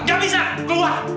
nggak bisa keluar